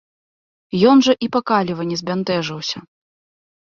Ён жа і па каліва не збянтэжыўся.